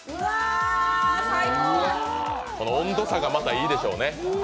この温度差がまたいいでしょうね。